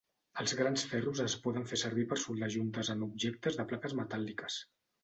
Els grans ferros es poden fer servir per soldar juntes en objectes de plaques metàl·liques.